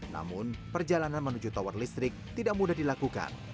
namun perjalanan menuju tower listrik tidak mudah dilakukan